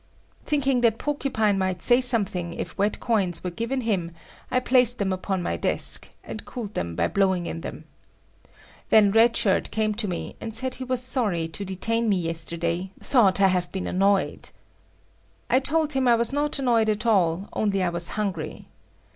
Thinking that Porcupine might say something if wet coins were given him, I placed them upon my desk, and cooled them by blowing in them. Then Red Shirt came to me and said he was sorry to detain me yesterday, thought I have been annoyed. I told him I was not annoyed at all, only I was hungry.